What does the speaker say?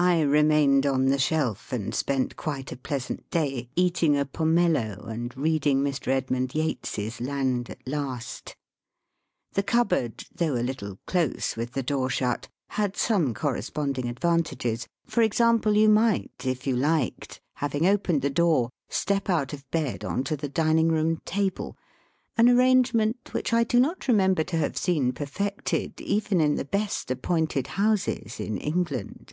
I remained on the shelf, and spent quite a pleasant day, eating a pomello and reading Mr. Edmund Yates's " Land at Last." The cupboard, though a little close with the door shut, had some corresponding advantages. For example, you might, if you liked, having opened the door, step out of bed on to the dining room table, an arrangement which I do not remember to have seen perfected even in the best appointed houses in England.